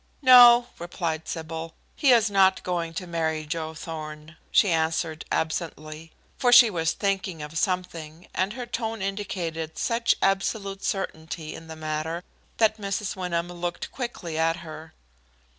"No," replied Sybil, "he is not going to marry Joe Thorn," she answered absently; for she was thinking of something, and her tone indicated such absolute certainty in the matter that Mrs. Wyndham looked quickly at her.